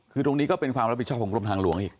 คือตรงนี้ก็เป็นความรับผิดชอบของกรมทางหลวงอีก